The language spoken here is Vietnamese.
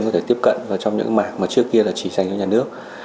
có thể tiếp cận trong những mạng mà trước kia chỉ dành cho nhà nước